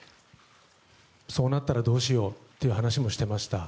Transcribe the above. そうなったらどうしようという話もしていました。